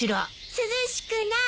・涼しくなれ！